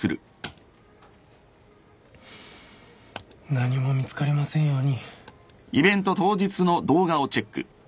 何も見つかりませんように。